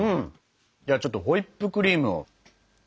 じゃあちょっとホイップクリームを。